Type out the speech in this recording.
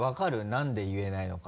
何で言えないのか。